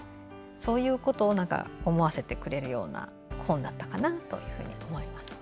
そういうことを思わせてくれるような本だったかなと思います。